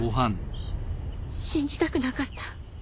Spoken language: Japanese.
信じたくなかった。